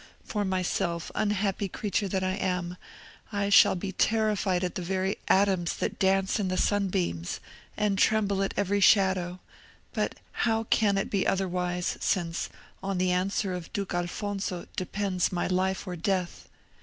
For myself, unhappy creature that I am, I shall be terrified at the very atoms that dance in the sunbeams, and tremble at every shadow; but how can it be otherwise, since on the answer of Duke Alfonso depends my life or death.